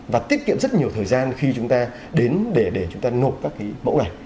và tiết kiệm rất nhiều thời gian khi chúng ta đến để chúng ta nộp các cái mẫu này